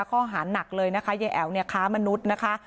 ข้อหานักเลยนะคะยายแอ๋วเนี่ยค้ามนุษย์นะคะ